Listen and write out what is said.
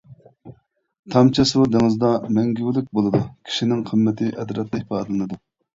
تامچە سۇ دېڭىزدا مەڭگۈلۈك بولىدۇ، كىشىنىڭ قىممىتى ئەترەتتە ئىپادىلىنىدۇ.